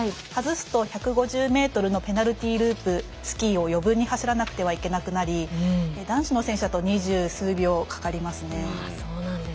外すと１５０ｍのペナルティーループスキーを余分に走らなくてはいけなくなり男子の選手だと２０数秒かかりますね。